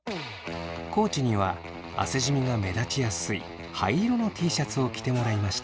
地には汗じみが目立ちやすい灰色のＴシャツを着てもらいました。